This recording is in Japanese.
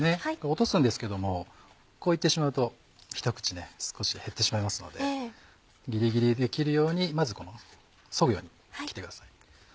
落とすんですけどもこう行ってしまうとひと口少し減ってしまいますのでギリギリで切るようにまずそぐように切ってください。